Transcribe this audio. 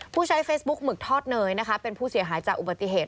ผู้ใช้เฟซบุ๊คหมึกทอดเนยนะคะเป็นผู้เสียหายจากอุบัติเหตุ